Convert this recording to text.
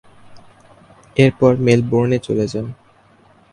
এরপর মেলবোর্নে চলে যান।